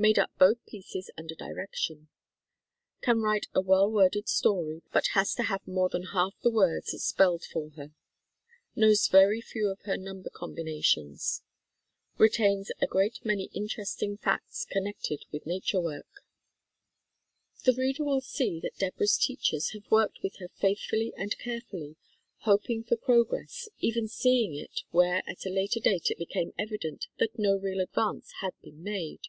Made up both pieces under direction. Can write a well worded story, but has to have more than half the words spelled for her. Knows very few of her number combinations. Re tains a great many interesting facts connected witty nature work. THE STORY OF DEBORAH 7 The reader will see that Deborah's teachers have worked with her faithfully and carefully, hoping for progress, even seeing it where at a later date it became evident that no real advance had been made.